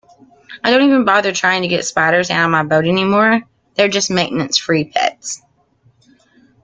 I don't even bother trying to get spiders out of my boat anymore, they're just maintenance-free pets.